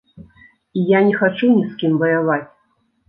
І я не хачу ні з кім ваяваць.